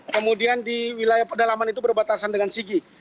kemudian di wilayah pedalaman itu berbatasan dengan sigi